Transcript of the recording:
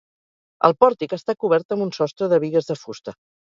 El pòrtic està cobert amb un sostre de bigues de fusta.